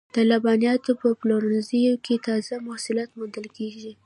د لبنیاتو په پلورنځیو کې تازه محصولات موندل کیږي.